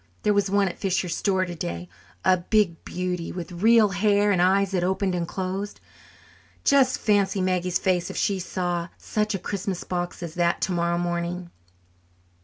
There was one at Fisher's store today a big beauty with real hair, and eyes that opened and shut. Just fancy Maggie's face if she saw such a Christmas box as that tomorrow morning."